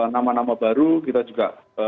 nama nama baru kita juga